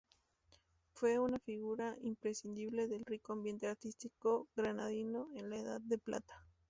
Fue una figura imprescindible del rico ambiente artístico granadino en la Edad de Plata.